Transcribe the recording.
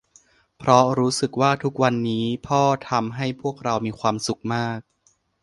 เพราะรู้สึกว่าทุกวันนี้พ่อทำให้พวกเรามีความสุขมาก